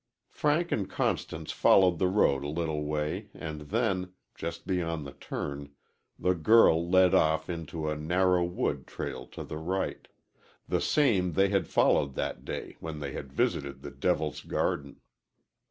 Frank and Constance followed the road a little way and then, just beyond the turn, the girl led off into a narrow wood trail to the right the same they had followed that day when they had visited the Devil's Garden.